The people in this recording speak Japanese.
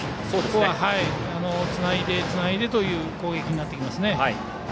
ここは、つないでという攻撃になってきますね。